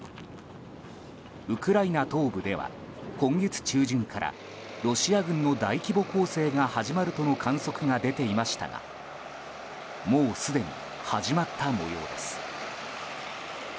ウクライナ東部では今月中旬からロシア軍の大規模攻勢が始まるとの観測が出ていましたがもうすでに始まった模様です。